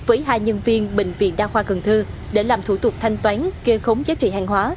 với hai nhân viên bệnh viện đa khoa cần thơ để làm thủ tục thanh toán kê khống giá trị hàng hóa